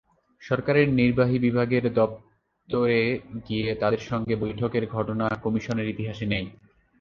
সরকারের নির্বাহী বিভাগের দপ্তরে গিয়ে তাদের সঙ্গে বৈঠকের ঘটনা কমিশনের ইতিহাসে নেই।